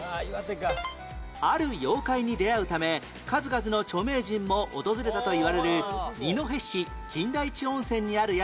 ある妖怪に出会うため数々の著名人も訪れたといわれる二戸市金田一温泉にある宿